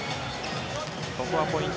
ここはポイント